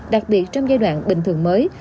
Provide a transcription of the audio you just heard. đặc biệt trong giai đoạn bình thường mới